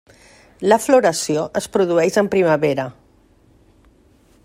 La floració es produeix en primavera.